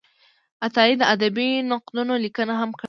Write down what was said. عطایي د ادبي نقدونو لیکنه هم کړې ده.